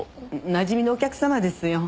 なじみのお客様ですよ。